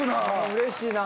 うれしいな！